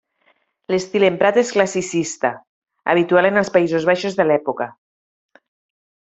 L'estil emprat és classicista, habitual en els Països Baixos de l'època.